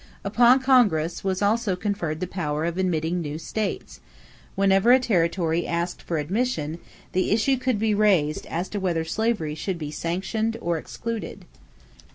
Upon Congress was also conferred the power of admitting new states; whenever a territory asked for admission, the issue could be raised as to whether slavery should be sanctioned or excluded.